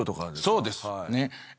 そうです。